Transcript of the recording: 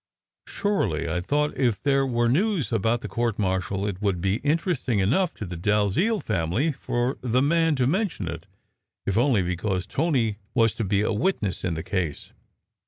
Surely, I thought, if there were news about the court martial it would be interesting enough to the Dalziel family for the man to mention it, if only because Tony was to be a wit ness in the case!